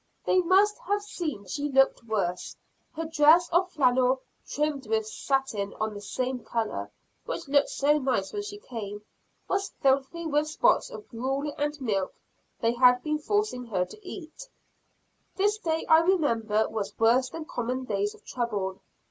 They must have seen she looked worse; her dress of flannel, trimmed with satin of the same color, which looked so nice when she came, was filthy with spots of gruel and milk they had been forcing her to eat. This day, I remember, was worse than common days of trouble.